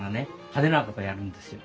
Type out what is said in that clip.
派手なことをやるんですよ。